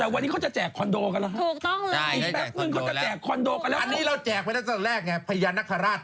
กิจกรรมนี้เลยค่ะ๓๒วัน